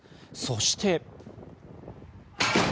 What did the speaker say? そして。